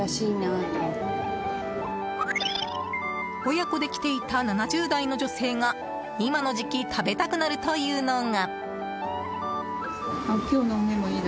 親子で来ていた７０代の女性が今の時期食べたくなるというのが。